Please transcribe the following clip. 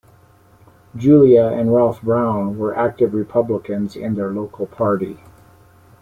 Julia and Ralph Brown were active Republicans in their local party.